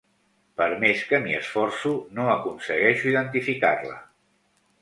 Per més que m'hi esforço no aconsegueixo identificar-la.